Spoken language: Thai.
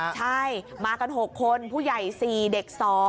ใช่มากัน๖คนผู้ใหญ่๔เด็ก๒